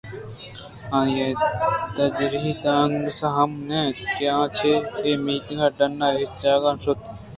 آئی ءِ تجربت اینکس ہم نہ اِنت کہ آ چہ اے میتگ ءَ ڈنّ ہچ جاہ ءَ نہ شُتگ